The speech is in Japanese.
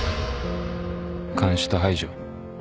監視と排除。